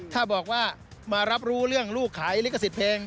ถ้าบอกว่ามารับรู้เรื่องลูกขายลิขสิทธิ์เพลง